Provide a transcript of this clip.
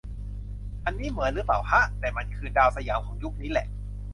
อันนี้เหมือน รึเปล่าฮะ แต่มันคือดาวสยามของยุคนี้แหละ